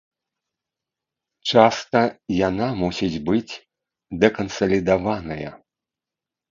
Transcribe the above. Часта яна мусіць быць дэкансалідаваная.